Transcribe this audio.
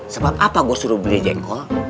sebab apa gue suruh beli jengkol